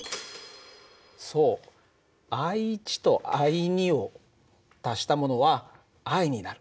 そうＩとＩを足したものはＩになる。